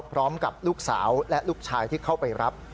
พร้อมกับลูกสาวและลูกชายที่เข้าไปรับ